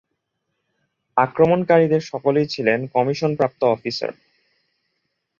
আক্রমণকারীদের সকলেই ছিলেন কমিশনপ্রাপ্ত অফিসার।